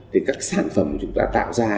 thì các sản phẩm chúng ta tạo ra